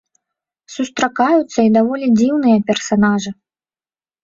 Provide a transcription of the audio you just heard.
Сустракаюцца і даволі дзіўныя персанажы.